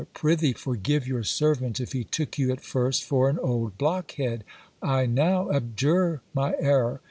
prythee forgive your servant if he took you at first for an old blockhead. I now abjure my error.